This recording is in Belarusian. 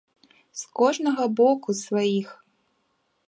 З кожнага боку сваіх.